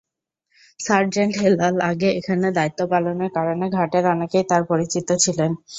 Sergeant Helal আগে এখানে দায়িত্ব পালনের কারণে ঘাটের অনেকেই তাঁর পরিচিত ছিলেন।